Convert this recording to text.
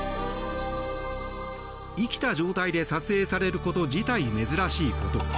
生きた状態で撮影されること自体珍しいこと。